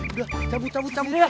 udah cabut cabut cabut